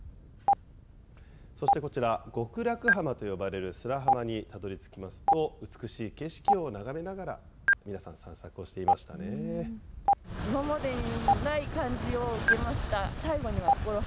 そしてこちら、極楽浜と呼ばれる砂浜にたどりつきますと、美しい景色を眺めなが続いては栃木です。